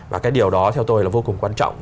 và cái điều đó theo tôi là vô cùng quan trọng